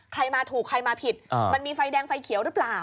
ใครมาถูกใครมาผิดมันมีไฟแดงไฟเขียวหรือเปล่า